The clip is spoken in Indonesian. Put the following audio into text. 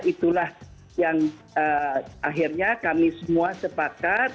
itulah yang akhirnya kami semua sepakat